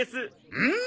うん！